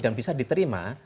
dan bisa diterima